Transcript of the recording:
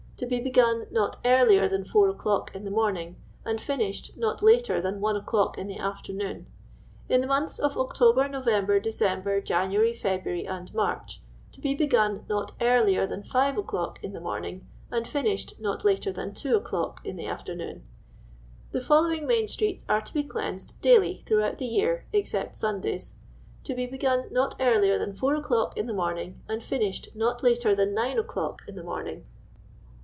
To be begun not earlier than 4 o'Clock in the morning, and finished not later than .1 o'Clock in the after noon. " In the months of October, November, December, January, Fcbniar}', and March. To be begun not earlier than 5 o*Clock in the morning, and finished not later than 2 o'Clock in the after noon. " The following main Streets are to be cleansed DAILY throughout the year (except Sundays), to be begun not earlier than 4 o'Clock in the morning, and finished not later than 9 o'Clock in the morning.